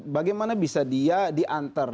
bagaimana bisa dia diantar